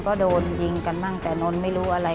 ก็โดนยิงกันตั้งแต่นนท์ไม่รู้อะไร